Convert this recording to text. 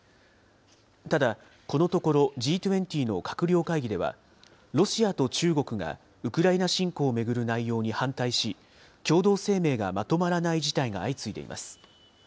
ただ、このところＧ２０の閣僚会議では、ロシアと中国がウクライナ侵攻を巡る内容に反対し、共同声明がまとまらない事態が相次いでいます。